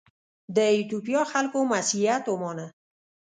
د ایتوپیا خلکو مسیحیت ومانه.